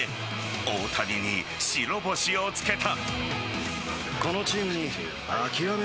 大谷に白星をつけた。